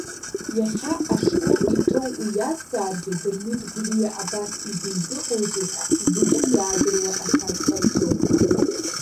Иахьа, ашкол иҭоу уиазҵааргьы, Дырмит Гәлиа абас изизыҟоузеи ҳәа, зегьы иаадыруа аҭак ҟаиҵоит.